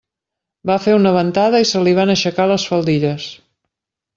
Va fer una ventada i se li van aixecar les faldilles.